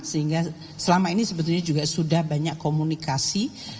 sehingga selama ini sebetulnya juga sudah banyak komunikasi